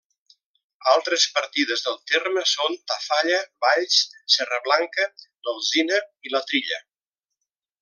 Altres partides del terme són Tafalla, Valls, Serra Blanca, l’Alzina i la Trilla.